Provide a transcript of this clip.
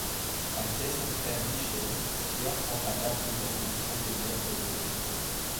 Après son frère Michel, Pierre prend à Paris la fonction de maître des écoles.